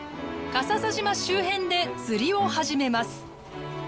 笠佐島周辺で釣りを始めます。